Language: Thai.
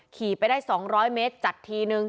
ขี่ไปได้๒๐๐มจัด๑ที